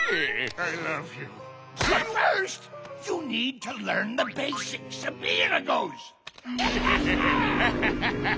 ダハハハハ！